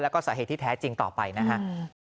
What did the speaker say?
แล้วก็สาเหตุที่แท้จริงต่อไปนะครับ